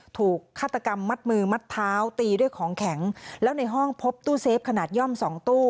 ถูกฆาตกรรมมัดมือมัดเท้าตีด้วยของแข็งแล้วในห้องพบตู้เซฟขนาดย่อมสองตู้